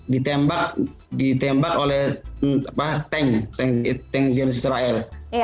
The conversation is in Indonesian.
ditembak oleh tank tank zion israel